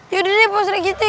yaudah deh pasir giti